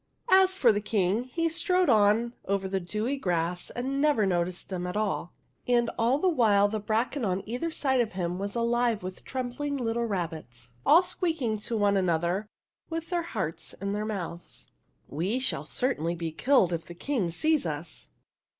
As for the King, he strode on over the dewy grass and never noticed them at all. And all the while the THE HUNDREDTH PRINCESS 53 bracken on either side of him was alive with trembling little rabbits, all squeaking to one another, with their hearts in their mouths, — "We shall certainly be killed if the King sees us